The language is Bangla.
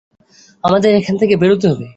আমাদের এখান থেকে বেরোতে হবে।